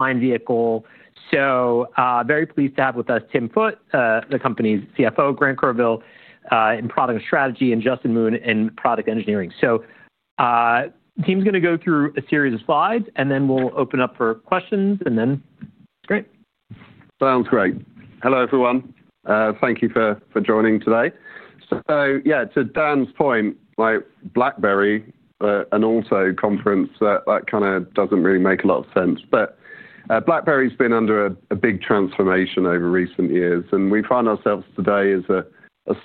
Vehicle. Very pleased to have with us Tim Foote, the company's CFO, Grant Corbitt in Product and Strategy, and Justin Moon in Product Engineering. Tim's going to go through a series of slides, and then we'll open up for questions. Great. Sounds great. Hello, everyone. Thank you for joining today. Yeah, to Dan's point, BlackBerry, an auto conference, that kind of does not really make a lot of sense. BlackBerry's been under a big transformation over recent years. We find ourselves today as a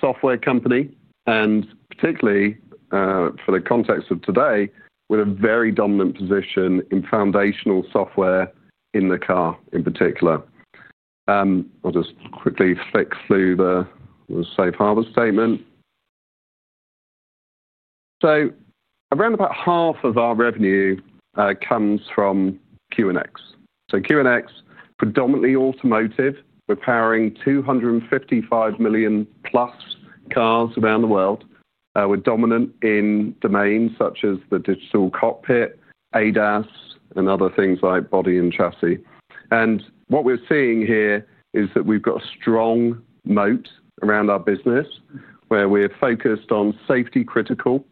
software company, and particularly for the context of today, with a very dominant position in foundational software in the car in particular. I'll just quickly fix through the Safe Harbor statement. Around about half of our revenue comes from QNX. QNX, predominantly automotive, we're powering 255 million plus cars around the world. We're dominant in domains such as the digital cockpit, ADAS, and other things like body and chassis. What we're seeing here is that we've got a strong moat around our business, where we're focused on safety-critical,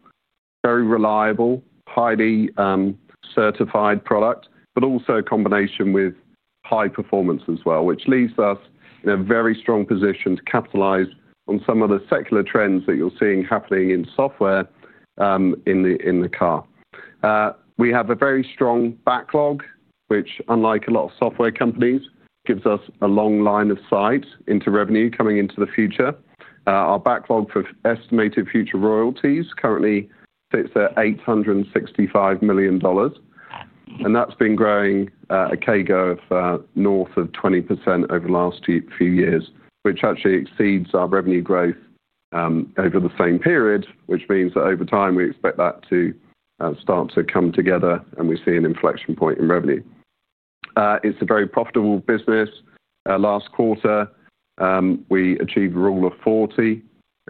very reliable, highly certified product, but also a combination with high performance as well, which leaves us in a very strong position to capitalize on some of the secular trends that you're seeing happening in software in the car. We have a very strong backlog, which, unlike a lot of software companies, gives us a long line of sight into revenue coming into the future. Our backlog for estimated future royalties currently sits at $865 million. That's been growing at a CAGR of north of 20% over the last few years, which actually exceeds our revenue growth over the same period, which means that over time, we expect that to start to come together, and we see an inflection point in revenue. It's a very profitable business. Last quarter, we achieved a rule of 40,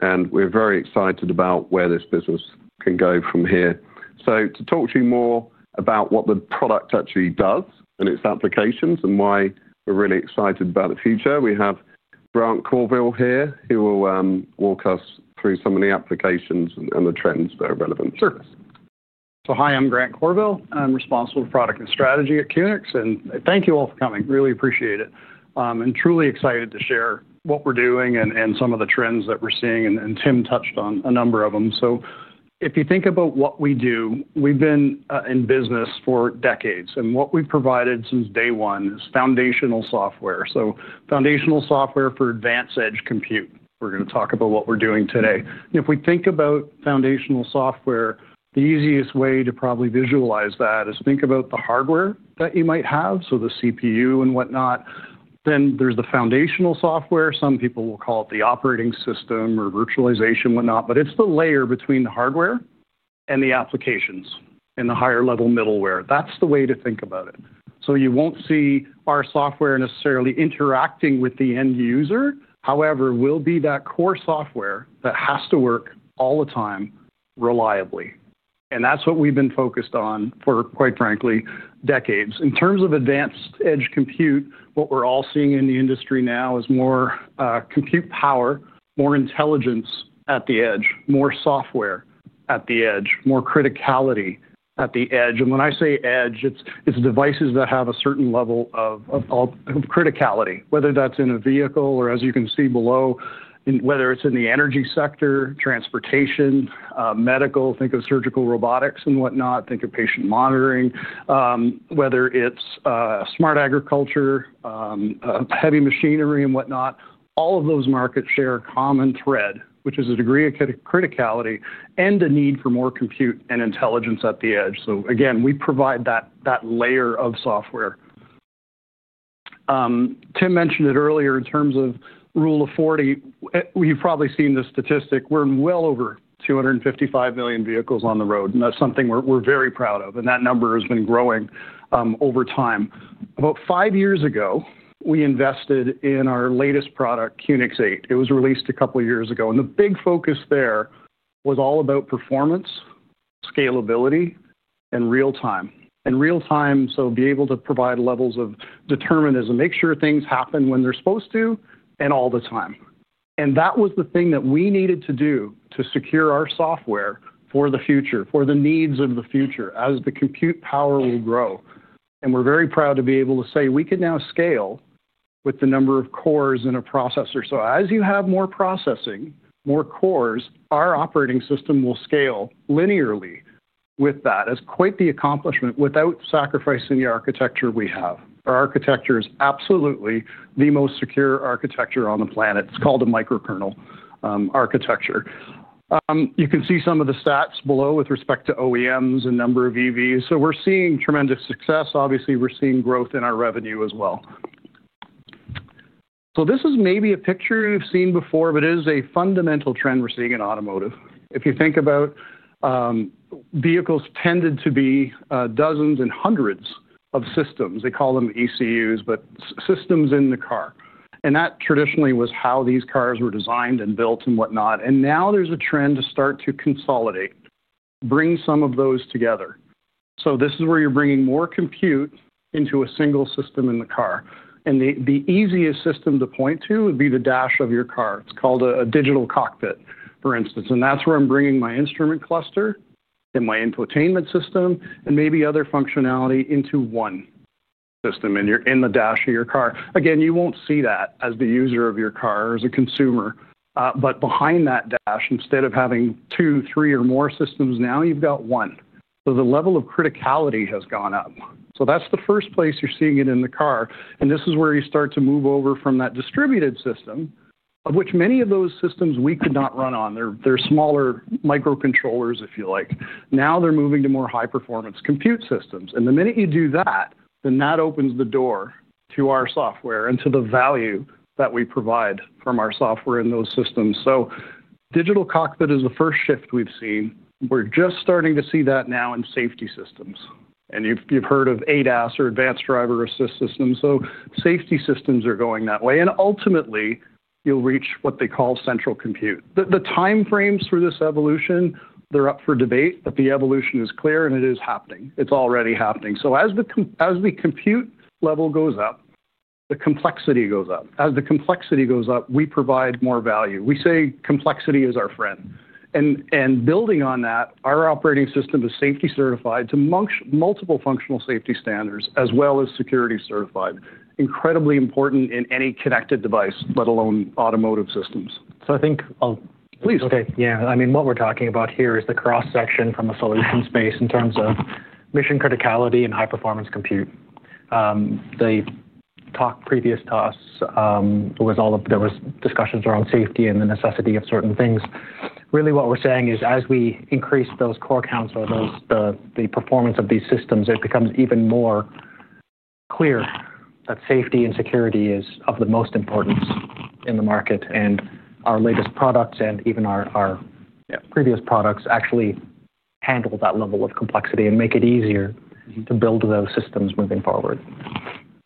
and we're very excited about where this business can go from here. To talk to you more about what the product actually does and its applications and why we're really excited about the future, we have Grant Corbitt here, who will walk us through some of the applications and the trends that are relevant. Sure. Hi, I'm Grant Corbitt. I'm responsible for Product and Strategy at QNX. Thank you all for coming. Really appreciate it. Truly excited to share what we're doing and some of the trends that we're seeing. Tim touched on a number of them. If you think about what we do, we've been in business for decades. What we've provided since day one is foundational software. Foundational software for advanced edge compute. We're going to talk about what we're doing today. If we think about foundational software, the easiest way to probably visualize that is think about the hardware that you might have, so the CPU and what not. Then there's the foundational software. Some people will call it the operating system or virtualization and whatnot. It's the layer between the hardware and the applications and the higher-level middleware. That's the way to think about it. You won't see our software necessarily interacting with the end user. However, it will be that core software that has to work all the time reliably. That's what we've been focused on for, quite frankly, decades. In terms of advanced edge compute, what we're all seeing in the industry now is more compute power, more intelligence at the edge, more software at the edge, more criticality at the edge. When I say edge, it's devices that have a certain level of criticality, whether that's in a vehicle or, as you can see below, whether it's in the energy sector, transportation, medical, think of surgical robotics and what not, think of patient monitoring, whether it's smart agriculture, heavy machinery, and what not. All of those markets share a common thread, which is a degree of criticality and a need for more compute and intelligence at the edge. We provide that layer of software. Tim mentioned it earlier. In terms of rule of 40, you've probably seen the statistic. We're well over 255 million vehicles on the road. That is something we're very proud of. That number has been growing over time. About five years ago, we invested in our latest product, QNX 8. It was released a couple of years ago. The big focus there was all about performance, scalability, and real-time. Real-time, to be able to provide levels of determinism, make sure things happen when they're supposed to, and all the time. That was the thing that we needed to do to secure our software for the future, for the needs of the future as the compute power will grow. We're very proud to be able to say we can now scale with the number of cores in a processor. As you have more processing, more cores, our operating system will scale linearly with that as quite the accomplishment without sacrificing the architecture we have. Our architecture is absolutely the most secure architecture on the planet. It's called a microkernel architecture. You can see some of the stats below with respect to OEMs and number of EVs. We're seeing tremendous success. Obviously, we're seeing growth in our revenue as well. This is maybe a picture you've seen before, but it is a fundamental trend we're seeing in automotive. If you think about vehicles, they tended to be dozens and hundreds of systems. They call them ECUs, but systems in the car. That traditionally was how these cars were designed and built and whatnot. Now there's a trend to start to consolidate, bring some of those together. This is where you're bringing more compute into a single system in the car. The easiest system to point to would be the dash of your car. It's called a digital cockpit, for instance. That's where I'm bringing my instrument cluster and my infotainment system and maybe other functionality into one system in the dash of your car. Again, you won't see that as the user of your car or as a consumer. Behind that dash, instead of having two, three, or more systems, now you've got one. The level of criticality has gone up. That's the first place you're seeing it in the car. This is where you start to move over from that distributed system, of which many of those systems we could not run on. They're smaller microcontrollers, if you like. Now they're moving to more high-performance compute systems. The minute you do that, then that opens the door to our software and to the value that we provide from our software in those systems. Digital cockpit is the first shift we've seen. We're just starting to see that now in safety systems. You've heard of ADAS or Advanced Driver Assistance Systems. Safety systems are going that way. Ultimately, you'll reach what they call central compute. The time frames for this evolution, they're up for debate. The evolution is clear, and it is happening. It's already happening. As the compute level goes up, the complexity goes up. As the complexity goes up, we provide more value. We say complexity is our friend. Building on that, our operating system is safety certified to multiple functional safety standards as well as security certified. Incredibly important in any connected device, let alone automotive systems. I think I'll. Please. Okay. Yeah. I mean, what we're talking about here is the cross-section from a solution space in terms of mission criticality and high-performance compute. The talk previous to us, there was discussions around safety and the necessity of certain things. Really, what we're saying is as we increase those core counts or the performance of these systems, it becomes even more clear that safety and security is of the most importance in the market. Our latest products and even our previous products actually handle that level of complexity and make it easier to build those systems moving forward.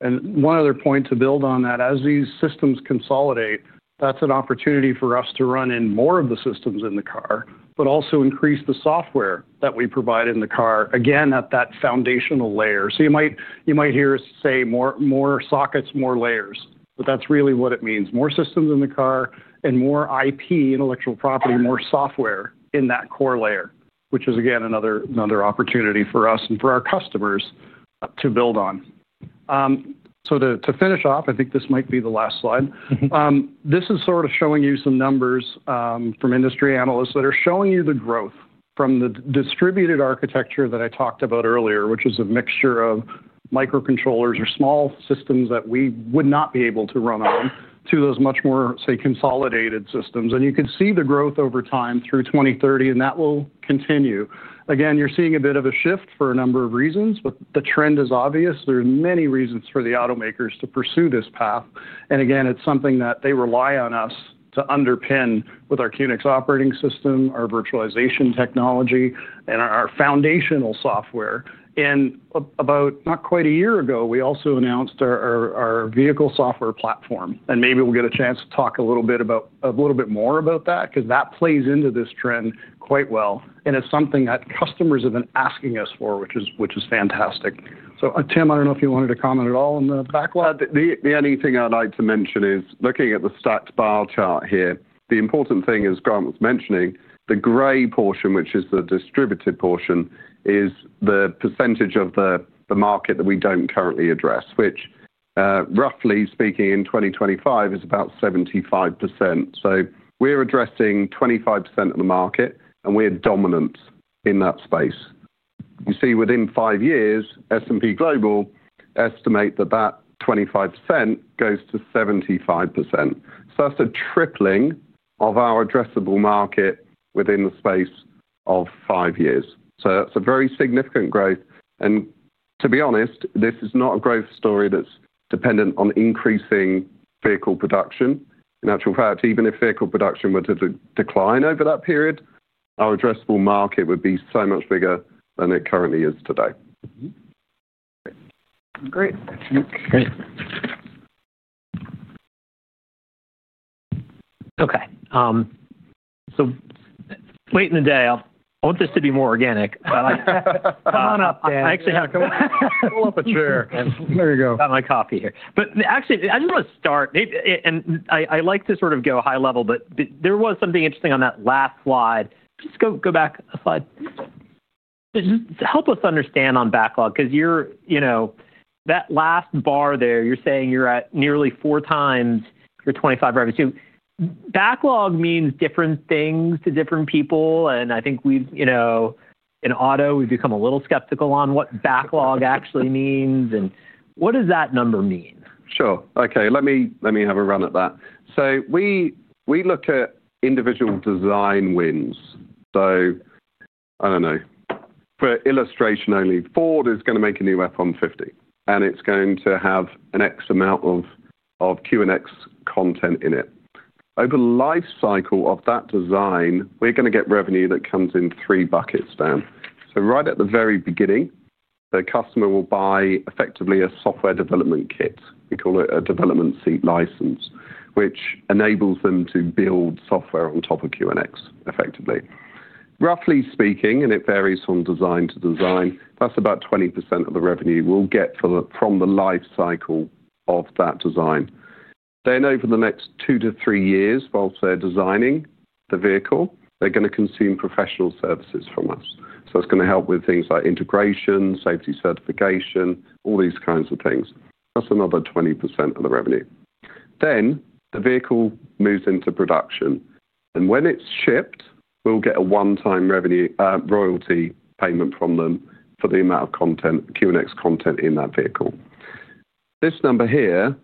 One other point to build on that, as these systems consolidate, that's an opportunity for us to run in more of the systems in the car, but also increase the software that we provide in the car, again, at that foundational layer. You might hear us say more sockets, more layers. That's really what it means. More systems in the car and more IP, Intellectual Property, more software in that core layer, which is, again, another opportunity for us and for our customers to build on. To finish off, I think this might be the last slide. This is sort of showing you some numbers from industry analysts that are showing you the growth from the distributed architecture that I talked about earlier, which is a mixture of microcontrollers or small systems that we would not be able to run on to those much more, say, consolidated systems. You can see the growth over time through 2030, and that will continue. You are seeing a bit of a shift for a number of reasons, but the trend is obvious. There are many reasons for the automakers to pursue this path. It is something that they rely on us to underpin with our QNX operating system, our virtualization technology, and our foundational software. About not quite a year ago, we also announced our vehicle software platform. Maybe we'll get a chance to talk a little bit more about that because that plays into this trend quite well. It's something that customers have been asking us for, which is fantastic. Tim, I don't know if you wanted to comment at all on the backlog. The only thing I'd like to mention is looking at the stats bar chart here, the important thing, as Grant was mentioning, the gray portion, which is the distributed portion, is the percentage of the market that we don't currently address, which, roughly speaking, in 2025 is about 75%. We are addressing 25% of the market, and we're dominant in that space. You see, within five years, S&P Global estimate that that 25% goes to 75%. That's a tripling of our addressable market within the space of five years. That is a very significant growth. To be honest, this is not a growth story that's dependent on increasing vehicle production. In actual fact, even if vehicle production were to decline over that period, our addressable market would be so much bigger than it currently is today. Great. Okay. Late in the day, I want this to be more organic. I actually have to pull up a chair. There you go. Got my coffee here. Actually, I just want to start. I like to sort of go high level, but there was something interesting on that last slide. Just go back a slide. Just help us understand on backlog because that last bar there, you're saying you're at nearly four times your 25 drivers. Backlog means different things to different people. I think in auto, we've become a little skeptical on what backlog actually means. What does that number mean? Sure. Okay. Let me have a run at that. We look at individual design wins. I don't know. For illustration only, Ford is going to make a new F-150, and it's going to have an X amount of QNX content in it. Over the lifecycle of that design, we're going to get revenue that comes in three buckets, Dan. Right at the very beginning, the customer will buy effectively a software development kit. We call it a development seat license, which enables them to build software on top of QNX effectively. Roughly speaking, and it varies from design to design, that's about 20% of the revenue we'll get from the lifecycle of that design. Over the next two to three years, whilst they're designing the vehicle, they're going to consume professional services from us. It is going to help with things like integration, safety certification, all these kinds of things. That is another 20% of the revenue. The vehicle moves into production. When it is shipped, we will get a one-time royalty payment from them for the amount of QNX content in that vehicle. This number here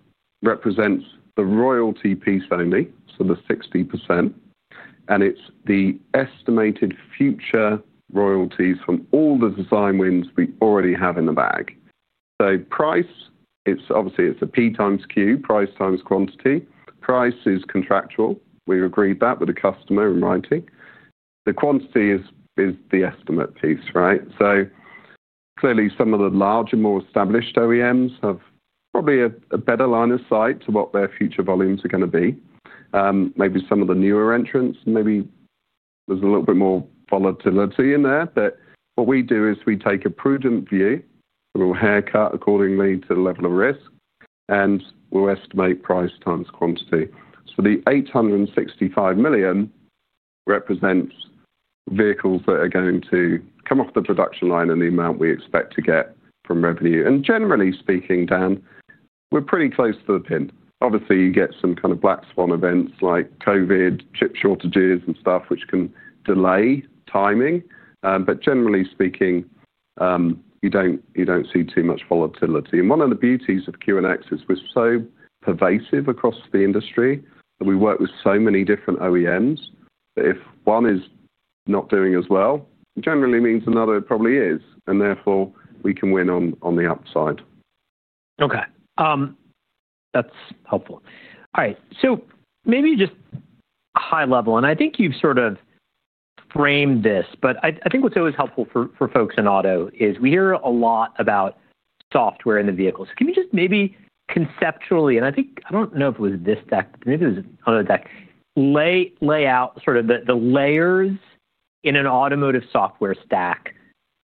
represents the royalty piece only, so the 60%. It is the estimated future royalties from all the design wins we already have in the bag. Price, obviously, it is a P x Q, price times quantity. Price is contractual. We agreed that with the customer in writing. The quantity is the estimate piece, right? Clearly, some of the larger, more established OEMs have probably a better line of sight to what their future volumes are going to be. Maybe some of the newer entrants, maybe there is a little bit more volatility in there. What we do is we take a prudent view. We'll haircut accordingly to the level of risk, and we'll estimate price times quantity. The $865 million represents vehicles that are going to come off the production line in the amount we expect to get from revenue. Generally speaking, Dan, we're pretty close to the pin. Obviously, you get some kind of black swan events like COVID, chip shortages and stuff, which can delay timing. Generally speaking, you do not see too much volatility. One of the beauties of QNX is we're so pervasive across the industry that we work with so many different OEMs that if one is not doing as well, generally means another probably is. Therefore, we can win on the upside. Okay. That's helpful. All right. Maybe just high level. I think you've sort of framed this. I think what's always helpful for folks in auto is we hear a lot about software in the vehicles. Can you just maybe conceptually—and I don't know if it was this deck, maybe it was another deck—lay out sort of the layers in an automotive software stack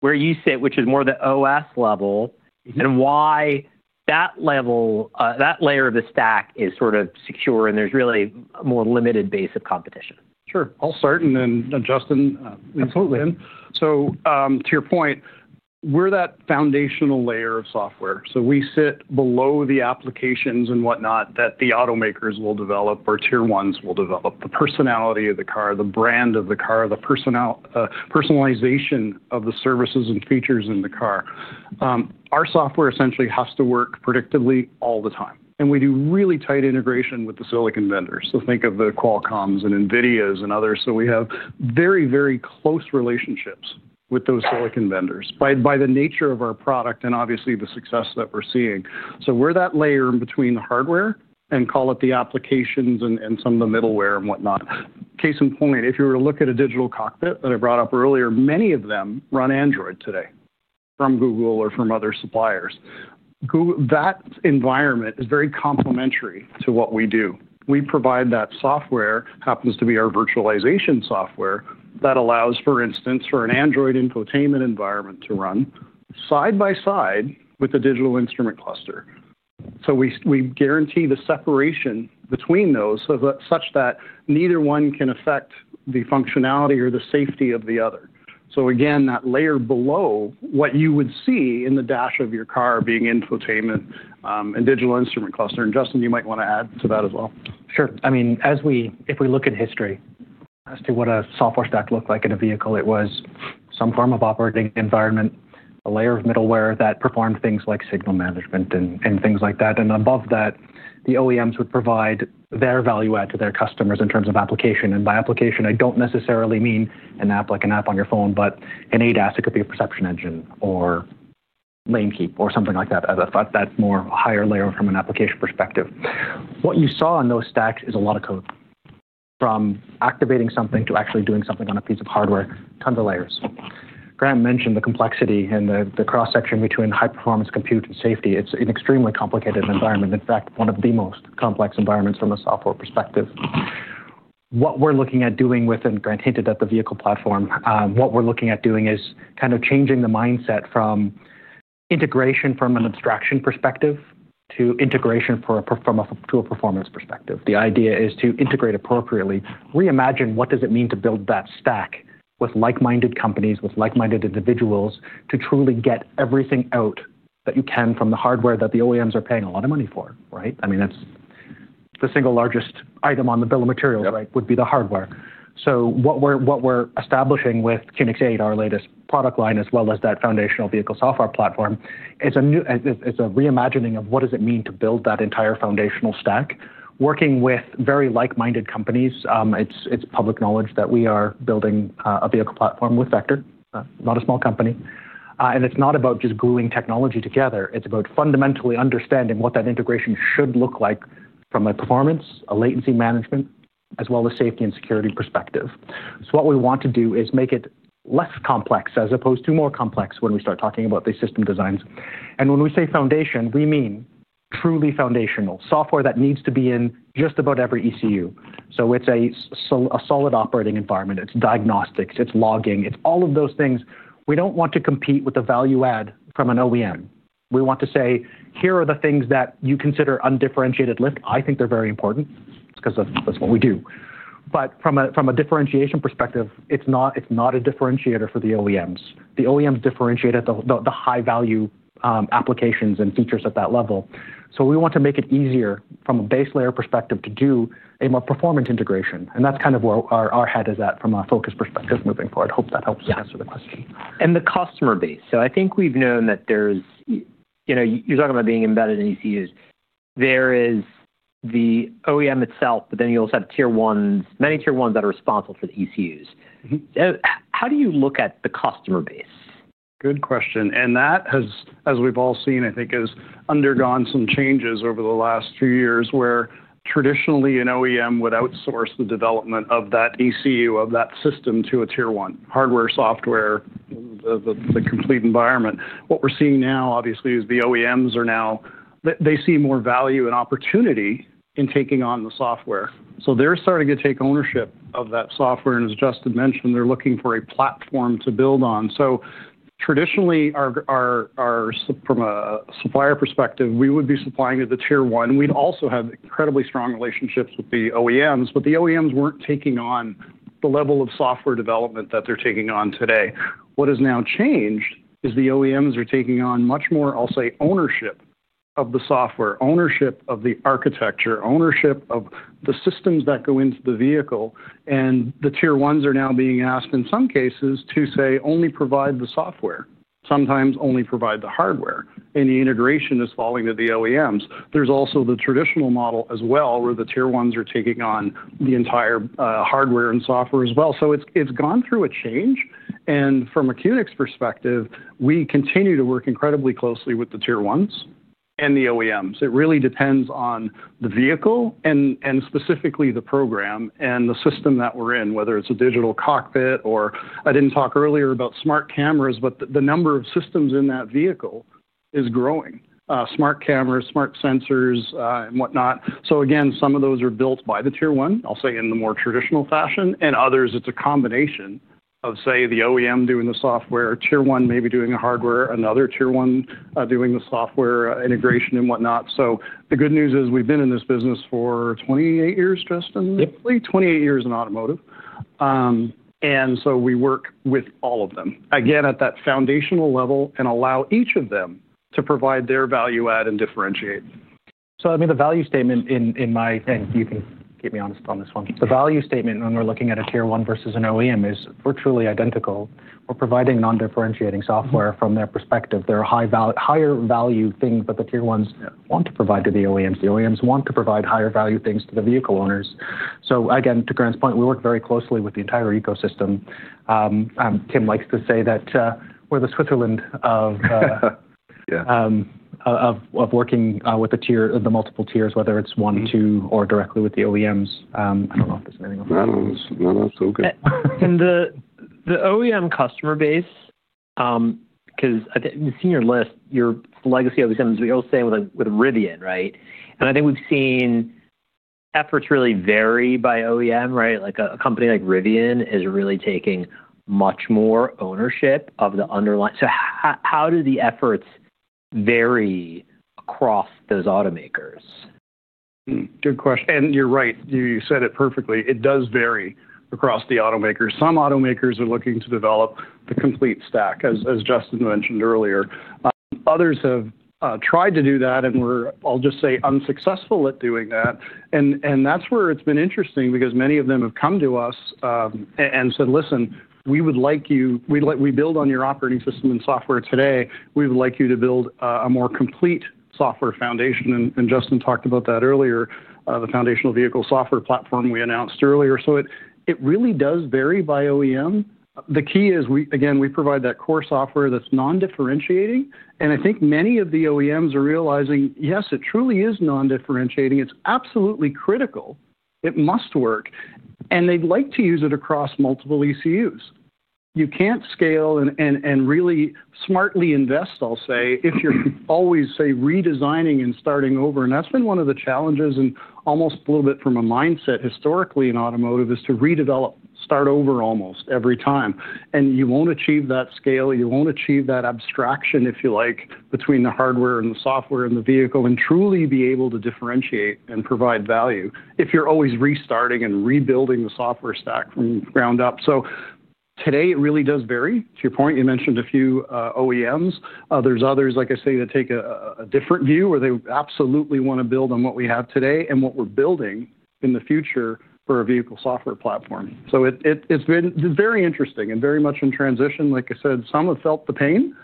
where you sit, which is more the OS level, and why that layer of the stack is sort of secure and there's really a more limited base of competition? Sure. I'll start and then Justin. Absolutely. To your point, we're that foundational layer of software. We sit below the applications and whatnot that the automakers will develop or tier ones will develop, the personality of the car, the brand of the car, the personalization of the services and features in the car. Our software essentially has to work predictably all the time. We do really tight integration with the silicon vendors. Think of the Qualcomms and NVIDIAs and others. We have very, very close relationships with those silicon vendors by the nature of our product and obviously the success that we're seeing. We're that layer in between the hardware and, call it, the applications and some of the middleware and whatnot. Case in point, if you were to look at a digital cockpit that I brought up earlier, many of them run Android today from Google or from other suppliers. That environment is very complementary to what we do. We provide that software, happens to be our virtualization software, that allows, for instance, for an Android infotainment environment to run side by side with a digital instrument cluster. We guarantee the separation between those such that neither one can affect the functionality or the safety of the other. That layer is below what you would see in the dash of your car being infotainment and digital instrument cluster. Justin, you might want to add to that as well. Sure. I mean, if we look at history as to what a software stack looked like in a vehicle, it was some form of operating environment, a layer of middleware that performed things like signal management and things like that. Above that, the OEMs would provide their value add to their customers in terms of application. By application, I do not necessarily mean an app like an app on your phone, but an ADAS. It could be a perception engine or LaneKeep or something like that. That is more a higher layer from an application perspective. What you saw in those stacks is a lot of code. From activating something to actually doing something on a piece of hardware, tons of layers. Grant mentioned the complexity and the cross-section between high-performance compute and safety. It is an extremely complicated environment. In fact, one of the most complex environments from a software perspective. What we're looking at doing within—Grant hinted at the vehicle platform—what we're looking at doing is kind of changing the mindset from integration from an abstraction perspective to integration from a performance perspective. The idea is to integrate appropriately, reimagine what does it mean to build that stack with like-minded companies, with like-minded individuals to truly get everything out that you can from the hardware that the OEMs are paying a lot of money for, right? I mean, that's the single largest item on the bill of materials, right, would be the hardware. What we're establishing with QNX 8, our latest product line, as well as that foundational vehicle software platform, is a reimagining of what does it mean to build that entire foundational stack. Working with very like-minded companies, it's public knowledge that we are building a vehicle platform with Vector, not a small company. It's not about just gluing technology together. It's about fundamentally understanding what that integration should look like from a performance, a latency management, as well as safety and security perspective. What we want to do is make it less complex as opposed to more complex when we start talking about these system designs. When we say foundation, we mean truly foundational software that needs to be in just about every ECU. It's a solid operating environment. It's diagnostics. It's logging. It's all of those things. We don't want to compete with the value add from an OEM. We want to say, "Here are the things that you consider undifferentiated lift. I think they're very important." It's because that's what we do. From a differentiation perspective, it's not a differentiator for the OEMs. The OEMs differentiate at the high-value applications and features at that level. We want to make it easier from a base layer perspective to do a more performant integration. That's kind of where our head is at from a focus perspective moving forward. Hope that helps answer the question. The customer base. I think we've known that there's—you're talking about being embedded in ECUs. There is the OEM itself, but then you also have many tier ones that are responsible for the ECUs. How do you look at the customer base? Good question. That has, as we've all seen, I think, undergone some changes over the last few years where traditionally an OEM would outsource the development of that ECU, of that system to a tier one. Hardware, software, the complete environment. What we're seeing now, obviously, is the OEMs are now—they see more value and opportunity in taking on the software. They are starting to take ownership of that software. As Justin mentioned, they are looking for a platform to build on. Traditionally, from a supplier perspective, we would be supplying at the tier one. We would also have incredibly strong relationships with the OEMs, but the OEMs were not taking on the level of software development that they are taking on today. What has now changed is the OEMs are taking on much more, I'll say, ownership of the software, ownership of the architecture, ownership of the systems that go into the vehicle. The tier ones are now being asked, in some cases, to say, "Only provide the software. Sometimes only provide the hardware." The integration is falling to the OEMs. There is also the traditional model as well where the tier ones are taking on the entire hardware and software as well. It has gone through a change. From a QNX perspective, we continue to work incredibly closely with the tier ones and the OEMs. It really depends on the vehicle and specifically the program and the system that we are in, whether it is a digital cockpit or—I did not talk earlier about smart cameras, but the number of systems in that vehicle is growing. Smart cameras, smart sensors, and whatnot. Again, some of those are built by the tier one, I'll say, in the more traditional fashion. Others, it's a combination of, say, the OEM doing the software, tier one maybe doing the hardware, another tier one doing the software integration and whatnot. The good news is we've been in this business for 28 years, Justin, lately. Twenty-eight years in automotive. We work with all of them, again, at that foundational level and allow each of them to provide their value add and differentiate. I mean, the value statement in my—and you can keep me honest on this one—the value statement when we're looking at a tier one versus an OEM is we're truly identical. We're providing non-differentiating software from their perspective. They're a higher value thing, but the tier ones want to provide to the OEMs. The OEMs want to provide higher value things to the vehicle owners. Again, to Grant's point, we work very closely with the entire ecosystem. Tim likes to say that we're the Switzerland of working with the multiple tiers, whether it's one, two, or directly with the OEMs. I don't know if there's anything else. No, no. It's all good. The OEM customer base, because I think seeing your list, your legacy OEMs, we're all staying with Rivian, right? I think we've seen efforts really vary by OEM, right? A company like Rivian is really taking much more ownership of the underlying—so how do the efforts vary across those automakers? Good question. You're right. You said it perfectly. It does vary across the automakers. Some automakers are looking to develop the complete stack, as Justin mentioned earlier. Others have tried to do that and were, I'll just say, unsuccessful at doing that. That's where it's been interesting because many of them have come to us and said, "Listen, we would like you—we build on your operating system and software today. We would like you to build a more complete software foundation." Justin talked about that earlier, the foundational vehicle software platform we announced earlier. It really does vary by OEM. The key is, again, we provide that core software that's non-differentiating. I think many of the OEMs are realizing, "Yes, it truly is non-differentiating. It's absolutely critical. It must work." They'd like to use it across multiple ECUs. You can't scale and really smartly invest, I'll say, if you're always, say, redesigning and starting over. That's been one of the challenges and almost a little bit from a mindset historically in automotive is to redevelop, start over almost every time. You won't achieve that scale. You won't achieve that abstraction, if you like, between the hardware and the software and the vehicle and truly be able to differentiate and provide value if you're always restarting and rebuilding the software stack from the ground up. Today, it really does vary. To your point, you mentioned a few OEMs. There's others, like I say, that take a different view where they absolutely want to build on what we have today and what we're building in the future for a vehicle software platform. It's been very interesting and very much in transition. Like I said, some have felt the pain.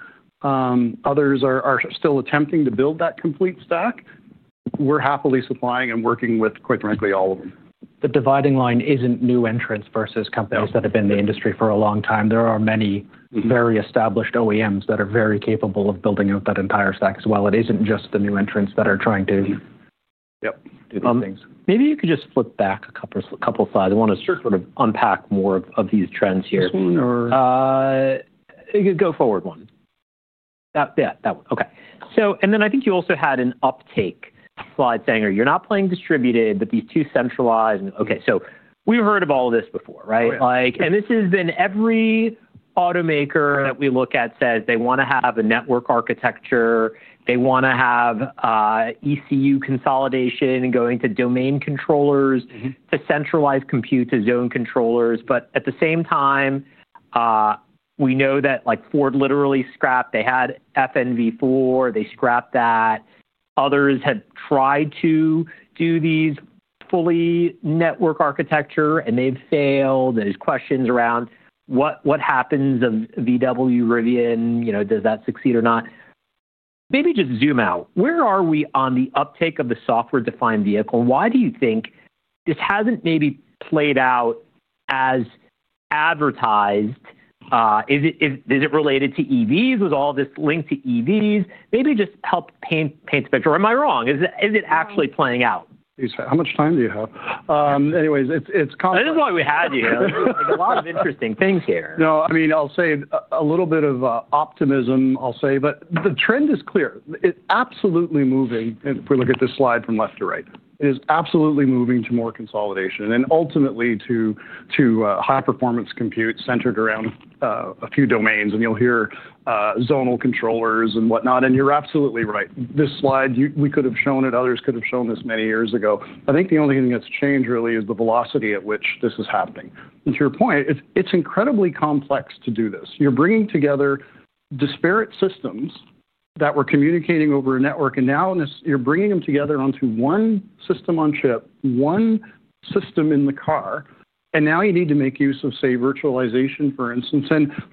Others are still attempting to build that complete stack. We're happily supplying and working with, quite frankly, all of them. The dividing line isn't new entrants versus companies that have been in the industry for a long time. There are many very established OEMs that are very capable of building out that entire stack as well. It isn't just the new entrants that are trying to do these things. Maybe you could just flip back a couple of slides. I want to sort of unpack more of these trends here. This one or? Go forward one. Yeah, that one. Okay. I think you also had an uptake slide saying, "You're not playing distributed, but these two centralized." Okay. We've heard of all this before, right? This has been every automaker that we look at says they want to have a network architecture. They want to have ECU consolidation and going to domain controllers to centralize compute to zone controllers. At the same time, we know that Ford literally scrapped. They had FNV4. They scrapped that. Others have tried to do these fully network architecture, and they've failed. There are questions around what happens of VW, Rivian, does that succeed or not? Maybe just zoom out. Where are we on the uptake of the software-defined vehicle? Why do you think this hasn't maybe played out as advertised? Is it related to EVs? Was all this linked to EVs? Maybe just help paint a picture. Or am I wrong? Is it actually playing out? Please say, "How much time do you have?" Anyways, it's constantly. This is why we had you. There are a lot of interesting things here. No. I mean, I'll say a little bit of optimism, I'll say. The trend is clear. It's absolutely moving. If we look at this slide from left to right, it is absolutely moving to more consolidation and ultimately to high-performance compute centered around a few domains. You'll hear Zonal controllers and what not. You're absolutely right. This slide, we could have shown it. Others could have shown this many years ago. I think the only thing that's changed really is the velocity at which this is happening. To your point, it's incredibly complex to do this. You're bringing together disparate systems that were communicating over a network. Now you're bringing them together onto one system on chip, one system in the car. Now you need to make use of, say, virtualization, for instance.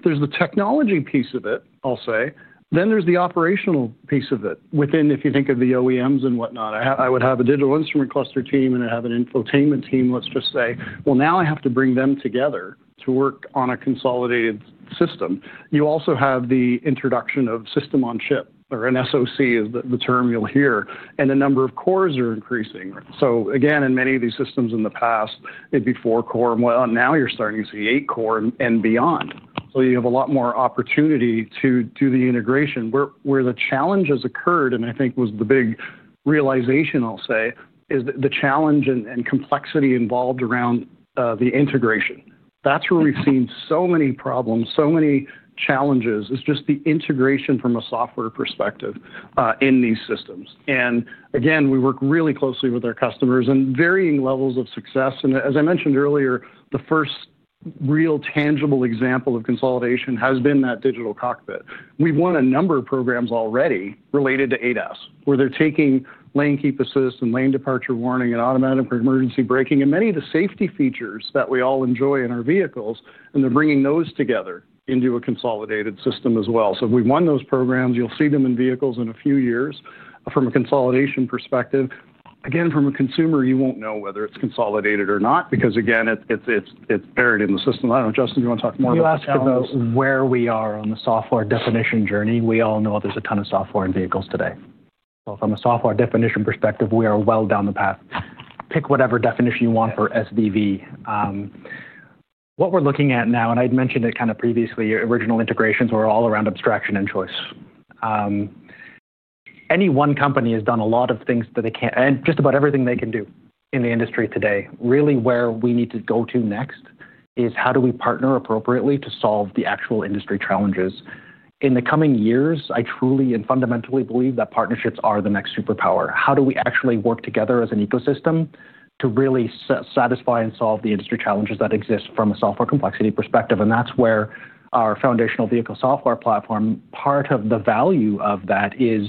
There's the technology piece of it, I'll say. There is the operational piece of it within, if you think of the OEMs and whatnot. I would have a digital instrument cluster team, and I'd have an infotainment team, let's just say. Now I have to bring them together to work on a consolidated system. You also have the introduction of system on chip, or an SOC is the term you'll hear, and the number of cores are increasing. In many of these systems in the past, it'd be four core. Now you're starting to see eight core and beyond. You have a lot more opportunity to do the integration. Where the challenge has occurred, and I think was the big realization, I'll say, is the challenge and complexity involved around the integration. That's where we've seen so many problems, so many challenges, is just the integration from a software perspective in these systems. Again, we work really closely with our customers and varying levels of success. As I mentioned earlier, the first real tangible example of consolidation has been that digital cockpit. We've won a number of programs already related to ADAS, where they're taking lane keep assist and lane departure warning and automatic emergency braking and many of the safety features that we all enjoy in our vehicles, and they're bringing those together into a consolidated system as well. We've won those programs. You'll see them in vehicles in a few years from a consolidation perspective. From a consumer, you won't know whether it's consolidated or not because it's buried in the system. I don't know, Justin, do you want to talk more about that? You asked about where we are on the software definition journey. We all know there's a ton of software in vehicles today. From a software definition perspective, we are well down the path. Pick whatever definition you want for SDV. What we're looking at now, and I mentioned it kind of previously, original integrations were all around abstraction and choice. Any one company has done a lot of things that they can, and just about everything they can do in the industry today. Really, where we need to go to next is how do we partner appropriately to solve the actual industry challenges? In the coming years, I truly and fundamentally believe that partnerships are the next superpower. How do we actually work together as an ecosystem to really satisfy and solve the industry challenges that exist from a software complexity perspective? That is where our foundational vehicle software platform, part of the value of that, is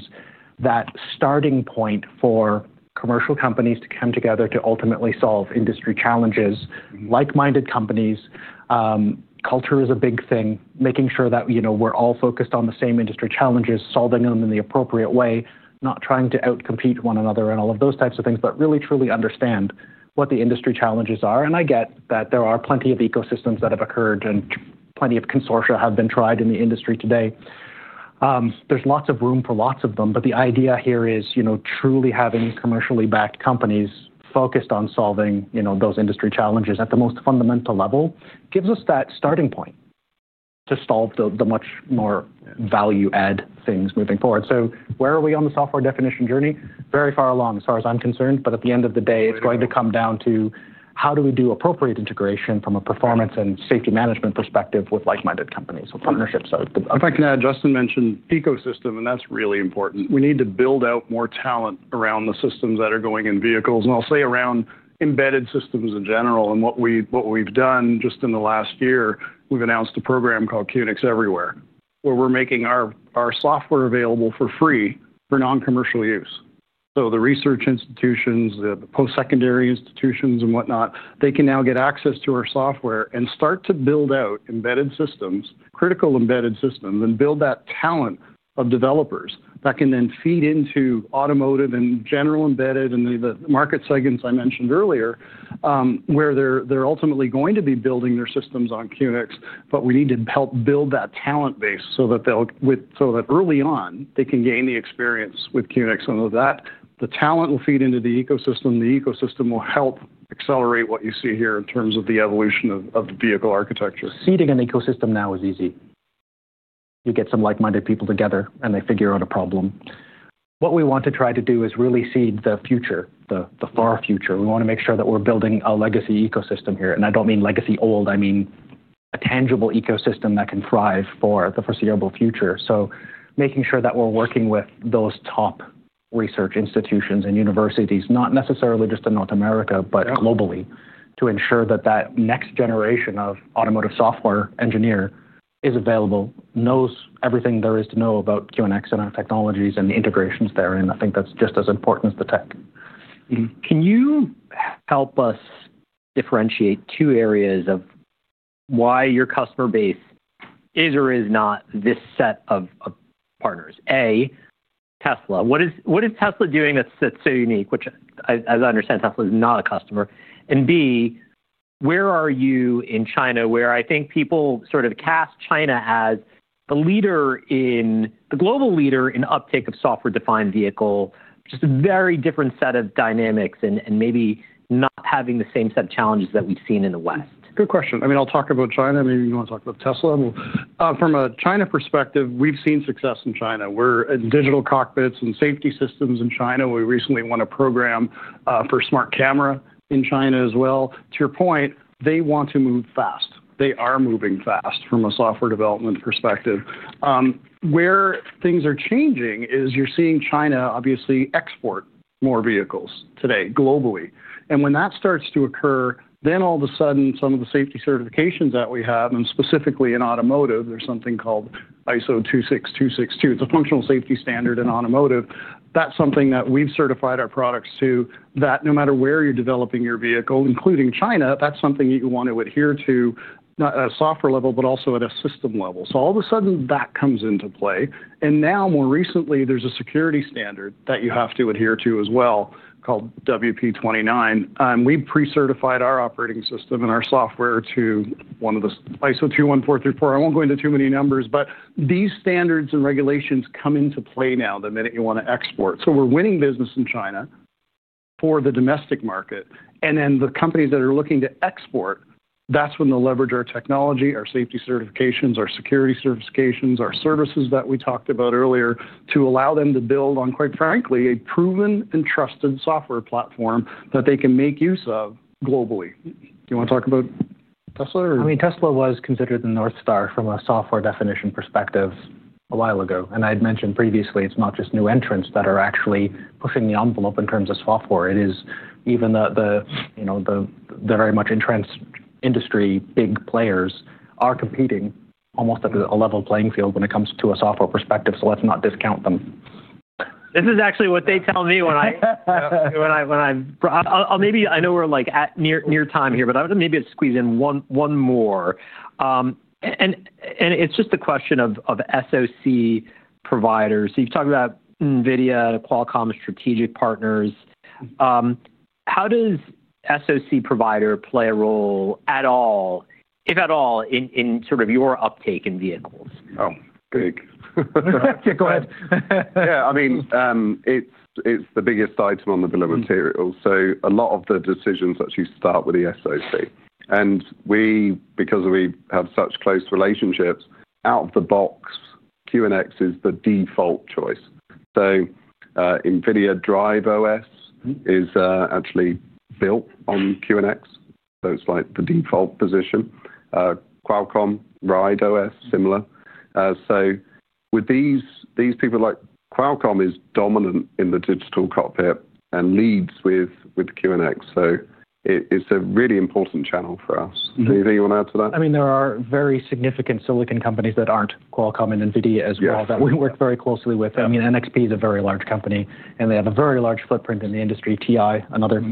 that starting point for commercial companies to come together to ultimately solve industry challenges. Like-minded companies, culture is a big thing. Making sure that we're all focused on the same industry challenges, solving them in the appropriate way, not trying to outcompete one another and all of those types of things, but really, truly understand what the industry challenges are. I get that there are plenty of ecosystems that have occurred and plenty of consortia have been tried in the industry today. There is lots of room for lots of them, but the idea here is truly having commercially backed companies focused on solving those industry challenges at the most fundamental level gives us that starting point to solve the much more value-add things moving forward. Where are we on the software definition journey? Very far along, as far as I'm concerned, but at the end of the day, it's going to come down to how do we do appropriate integration from a performance and safety management perspective with like-minded companies or partnerships. If I can add, Justin mentioned ecosystem, and that's really important. We need to build out more talent around the systems that are going in vehicles, and I'll say around embedded systems in general. What we've done just in the last year, we've announced a program called QNX Everywhere where we're making our software available for free for non-commercial use. The research institutions, the post-secondary institutions and whatnot, they can now get access to our software and start to build out embedded systems, critical embedded systems, and build that talent of developers that can then feed into automotive and general embedded and the market segments I mentioned earlier where they're ultimately going to be building their systems on QNX. We need to help build that talent base so that early on, they can gain the experience with QNX. The talent will feed into the ecosystem. The ecosystem will help accelerate what you see here in terms of the evolution of the vehicle architecture. Seeding an ecosystem now is easy. You get some like-minded people together, and they figure out a problem. What we want to try to do is really seed the future, the far future. We want to make sure that we're building a legacy ecosystem here. I don't mean legacy old. I mean a tangible ecosystem that can thrive for the foreseeable future. Making sure that we're working with those top research institutions and universities, not necessarily just in North America, but globally, to ensure that that next generation of automotive software engineer is available, knows everything there is to know about QNX and our technologies and the integrations there. I think that's just as important as the tech. Can you help us differentiate two areas of why your customer base is or is not this set of partners? A, Tesla. What is Tesla doing that's so unique, which, as I understand, Tesla is not a customer? B, where are you in China where I think people sort of cast China as the global leader in uptake of software-defined vehicle, just a very different set of dynamics and maybe not having the same set of challenges that we've seen in the West? Good question. I mean, I'll talk about China. Maybe you want to talk about Tesla. From a China perspective, we've seen success in China. We're in digital cockpits and safety systems in China. We recently won a program for smart camera in China as well. To your point, they want to move fast. They are moving fast from a software development perspective. Where things are changing is you're seeing China, obviously, export more vehicles today globally. When that starts to occur, all of a sudden, some of the safety certifications that we have, and specifically in automotive, there's something called ISO 26262. It's a functional safety standard in automotive. That's something that we've certified our products to that no matter where you're developing your vehicle, including China, that's something that you want to adhere to at a software level, but also at a system level. All of a sudden, that comes into play. Now, more recently, there's a security standard that you have to adhere to as well called WP29. We've pre-certified our operating system and our software to one of the ISO 21434. I won't go into too many numbers, but these standards and regulations come into play now the minute you want to export. We're winning business in China for the domestic market. The companies that are looking to export, that's when they'll leverage our technology, our safety certifications, our security certifications, our services that we talked about earlier to allow them to build on, quite frankly, a proven and trusted software platform that they can make use of globally. Do you want to talk about Tesla or? I mean, Tesla was considered the North Star from a software definition perspective a while ago. I had mentioned previously, it's not just new entrants that are actually pushing the envelope in terms of software. It is even the very much entrenched industry big players are competing almost at a level playing field when it comes to a software perspective. Let's not discount them. This is actually what they tell me when I'm. I know we're near time here, but maybe I'll squeeze in one more. It's just a question of SOC providers. You've talked about NVIDIA and Qualcomm strategic partners. How does SOC provider play a role at all, if at all, in sort of your uptake in vehicles? Oh, big. Yeah, go ahead. Yeah. I mean, it's the biggest item on the bill of materials. A lot of the decisions actually start with the SOC. Because we have such close relationships, out of the box, QNX is the default choice. NVIDIA Drive OS is actually built on QNX. It's like the default position. Qualcomm Ride OS, similar. With these people, Qualcomm is dominant in the digital cockpit and leads with QNX. It's a really important channel for us. Anything you want to add to that? I mean, there are very significant silicon companies that are not Qualcomm and NVIDIA as well that we work very closely with. I mean, NXP is a very large company, and they have a very large footprint in the industry. TI, another,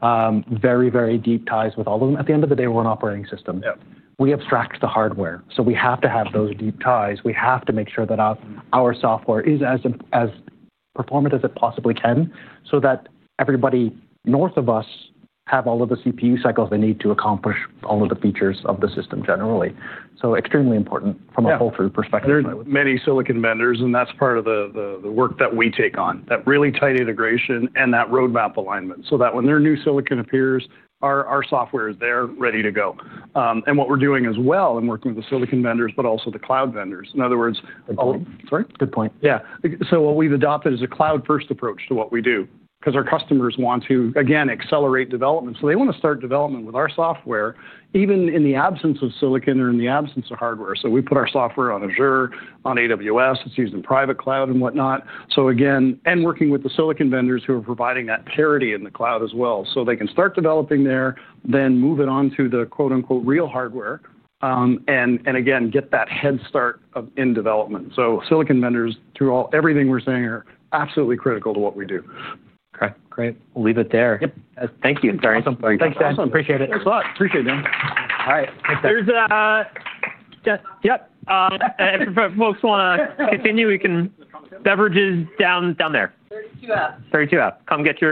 very, very deep ties with all of them. At the end of the day, we are an operating system. We abstract the hardware. We have to have those deep ties. We have to make sure that our software is as performant as it possibly can so that everybody north of us has all of the CPU cycles they need to accomplish all of the features of the system generally. Extremely important from a whole food perspective. are many silicon vendors, and that is part of the work that we take on, that really tight integration and that roadmap alignment so that when their new silicon appears, our software is there ready to go. What we are doing as well is working with the silicon vendors, but also the cloud vendors. In other words, sorry? Good point. Yeah. What we've adopted is a cloud-first approach to what we do because our customers want to, again, accelerate development. They want to start development with our software, even in the absence of silicon or in the absence of hardware. We put our software on Azure, on AWS. It's used in private cloud and what not. Again, working with the silicon vendors who are providing that parity in the cloud as well. They can start developing there, then move it on to the quote-unquote real hardware, and again, get that head start in development. Silicon vendors, through everything we're saying, are absolutely critical to what we do. Okay. Great. We'll leave it there. Thank you. Thanks, Dan. Thanks, Dan. Appreciate it. Thanks a lot. Appreciate it, Dan. All right. There's a yep. If folks want to continue, we can. Beverages down there. 32F. 32F. Come get.